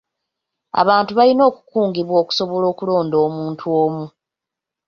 Abantu balina okukungibwa okusobola okulonda omuntu omu.